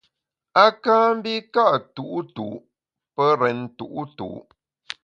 A ka mbi ka’ tu’tu’ pe rèn tu’tu’.